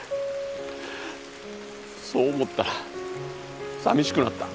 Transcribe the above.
そう思ったらさみしくなった。